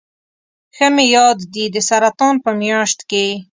ښه مې یاد دي د سرطان په میاشت کې.